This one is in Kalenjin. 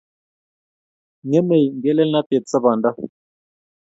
Ng'emei ngelelnatet sabondo.